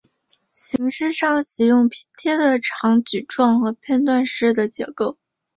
形式上喜用拼贴的长矩状和片段式的结构。